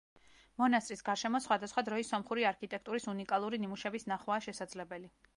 მონასტრის გარშემო სხვადასხვა დროის სომხური არქიტექტურის უნიკალური ნიმუშების ნახვაა შესაძლებელი.